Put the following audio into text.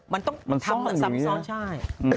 มันต้องทำซ้อนใช่